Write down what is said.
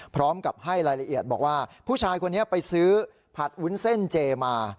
พร้อมกับให้รายละเอียดบอกว่าผู้ชายคนนี้ไปซื้อผัดวุ้นเส้นเจมา